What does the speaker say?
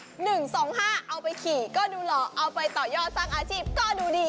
เอาไปขี่ก็ดูหล่อเอาไปต่อยอดสร้างอาชีพก็ดูดี